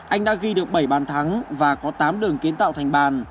anh đã ghi được bảy bàn thắng và có tám đường kiến tạo thành bàn